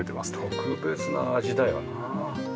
特別な味だよなあ。